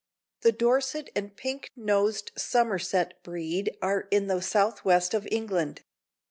The Dorset and pink nosed Somerset breed are in the southwest of England.